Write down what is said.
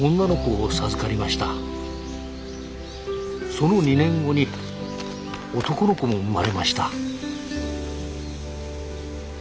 その２年後に男の子も生まれました。